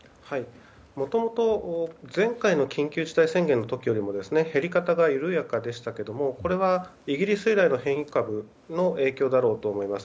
もともと前回の緊急事態宣言の時よりも減り方が緩やかでしたけどもこれはイギリス由来の変異株の影響だろうと思います。